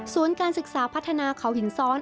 การศึกษาพัฒนาเขาหินซ้อน